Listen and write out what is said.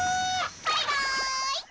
バイバイ。